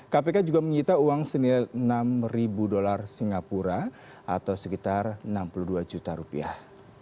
kpk juga menyita uang senilai enam ribu dolar singapura atau sekitar enam puluh dua juta rupiah